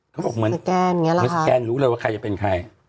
เขาบอกเหมือนสแกนรู้เลยว่าใครจะเป็นใคร